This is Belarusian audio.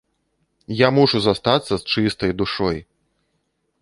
Я мушу застацца з чыстай душой!